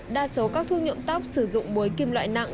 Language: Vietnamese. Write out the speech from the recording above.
đa số các thuốc nhuộm tóc sử dụng muối kim loại nặng